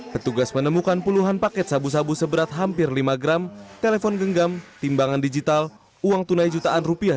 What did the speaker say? petugas menemukan puluhan paket sabu sabu seberat hampir lima gram telepon genggam timbangan digital uang tunai jutaan rupiah